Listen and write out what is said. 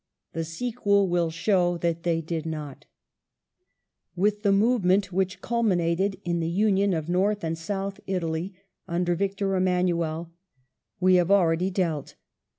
The sequel will show that they did not. Italian With the movement which culminated in the union of north Unity g^^^ south Italy under Victor Emmanuel we have already dealt.